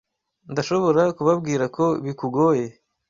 Ndashobora kubabwira ko bikugoye.